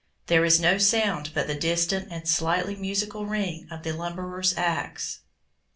There is no sound but the distant and slightly musical ring of the lumberer's axe.